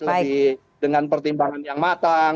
lebih dengan pertimbangan yang matang